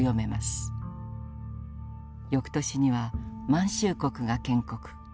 翌年には満州国が建国。